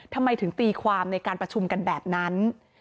ทำไมถึงตีความในการประชุมกันแบบนั้น